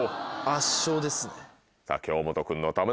圧勝ですね。